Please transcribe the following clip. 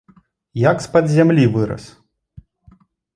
Як з-пад зямлі вырас!